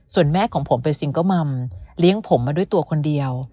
ส่วนแม่ของผมเป็นซิงเกิลมัมเลี้ยงผมมาด้วยตัวคนเดียว